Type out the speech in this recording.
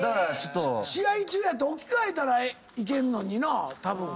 試合中やって置き換えたらいけんのになぁたぶん。